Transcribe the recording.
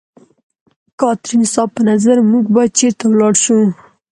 کاترین، ستا په نظر موږ باید چېرته ولاړ شو؟